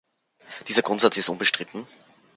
Dieser Grundsatz ist unbestritten.